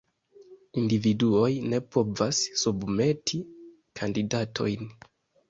Individuoj ne povas submeti kandidatojn.